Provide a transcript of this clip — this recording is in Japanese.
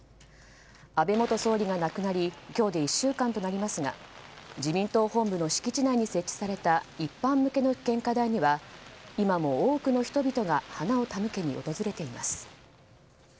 安倍元総理が亡くなり今日で１週間となりますが自民党本部の敷地内に設置された一般向けの献花台には今も多くの人々が花を手向けに訪れています。